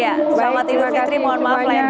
ya selamat eid al fitri mohon maaf layak batin